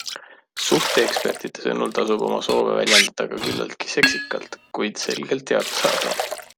Suhteekspertide sõnul tasub oma soove väljendada ka küllaltki seksikalt, kuid selgelt ja arusaadavalt.